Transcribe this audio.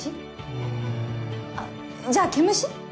うん。あっじゃあ毛虫？